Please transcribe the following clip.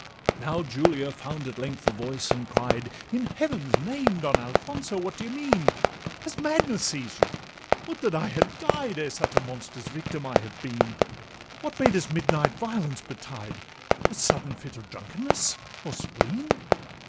Now Julia found at length a voice, and cried, 'In heaven's name, Don Alfonso, what d' ye mean? Has madness seized you? would that I had died Ere such a monster's victim I had been! What may this midnight violence betide, A sudden fit of drunkenness or spleen?